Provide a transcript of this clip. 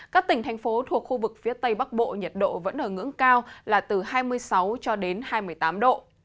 các tỉnh thành phố thuộc khu vực phía tây bắc bộ nhiệt độ vẫn ở ngưỡng cao là từ hai mươi sáu cho đến hai mươi tám độ